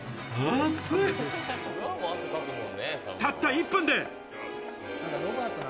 たった１分で。